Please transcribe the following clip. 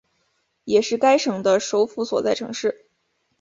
也是该省的首府所在城市。